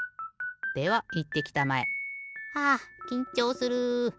ではいってきたまえ。はあきんちょうする。